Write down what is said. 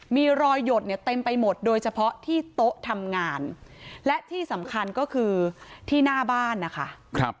มีรอยหยดเนี่ยเต็มไปหมดโดยเฉพาะที่โต๊ะทำงานและที่สำคัญก็คือที่หน้าบ้านนะคะ